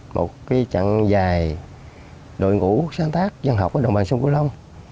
một chặng dài đội ngũ sáng tác văn học ở đồng bằng sông cửu long